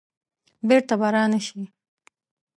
بیرته به را نه شي.